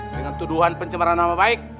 dengan tuduhan pencemaran nama baik